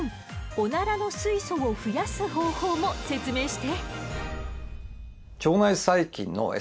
オナラの水素を増やす方法も説明して！